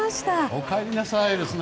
お帰りなさいですね。